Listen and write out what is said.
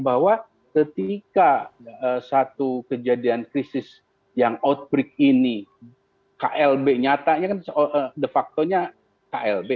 bahwa ketika satu kejadian krisis yang outbreak ini klb nyatanya kan de factonya klb